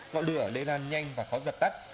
ngọn lửa đây là nhanh và khó dập tắt